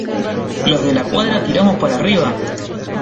¡ los De la Cuadra tiramos para arriba!